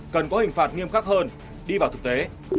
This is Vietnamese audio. cần có hình phạt nghiêm khắc hơn đi vào thực tế